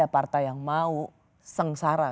partai yang mau sengsara